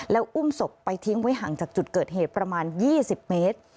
แล้วอุ้มศพไปทิ้งไว้ห่างจากจุดเกิดเหตุประมาณ๒๐เมตร